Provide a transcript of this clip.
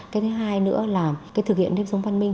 cái thứ hai nữa là cái thực hiện nếp sống văn minh